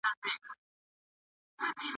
د بهرنیو پالیسي ارزونه په دوامداره توګه نه کېږي.